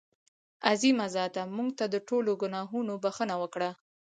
عظیمه ذاته مونږ ته د ټولو ګناهونو بښنه وکړه.